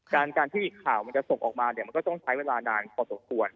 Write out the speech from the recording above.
การที่ข่าวมันจะส่งออกมาเนี่ยมันก็ต้องใช้เวลานานพอสมควร